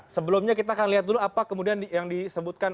sebelumnya kita akan lihat dulu apa kemudian yang disebutkan